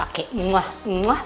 oke muah muah